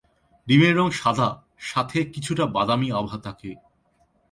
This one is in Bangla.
ডিমের রঙ সাদা সাথে কিছুটা বাদামি আভা থাকে।